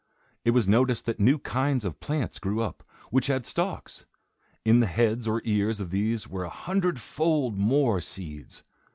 It was noticed that new kinds of plants grew up, which had stalks. In the heads or ears of these were a hundredfold more seeds.